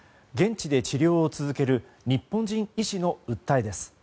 現地で治療を続ける日本人医師の訴えです。